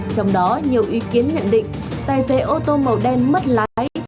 trong đó nhiều ý kiến nhận định tài xế ô tô màu đen mất lái